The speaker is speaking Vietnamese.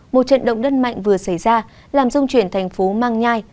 một trận động đất mạnh vừa xảy ra làm rung chuyển thành phố mang nhai